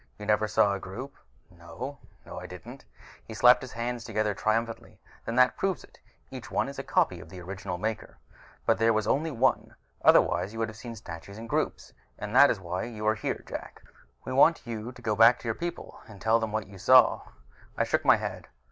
You never saw a group?" "No. No, I didn't." He slapped his hands together triumphantly. "Then that proves it. Each is a copy of the original Maker, but there was only one. Otherwise you would have seen statues in groups. And that is why you are here, Jak: we want you to go back to your people and tell them what you saw." I shook my head.